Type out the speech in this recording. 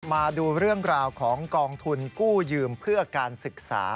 มาดูเรื่องราวของกองทุนกู้ยืมเพื่อการศึกษา